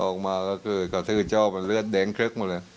ออกมาก็คือกระทืบเจ้าเป็นเลือดแดงคลึกหมดเลย